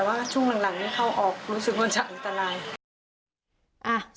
แต่ว่าช่วงหลังนี้เข้าออกรู้สึกว่าจะอันตราย